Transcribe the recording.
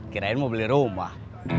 kirain mau beli rumah